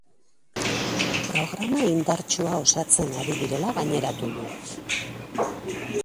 Programa indartsua osatzen ari direla gaineratu du.